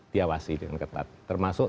diawasi dengan ketat termasuk